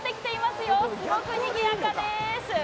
すごくにぎやかです。